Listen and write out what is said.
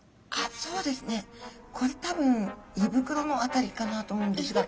そうですねこれ多分いぶくろの辺りかなと思うんですが。